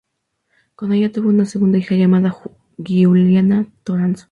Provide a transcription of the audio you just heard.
Con ella tuvo a su segunda hija llamada Giuliana Toranzo.